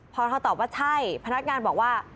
พอเธอตอบว่าใช่พนักงานบอกว่า